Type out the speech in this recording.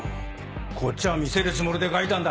こっちは見せるつもりで書いたんだ。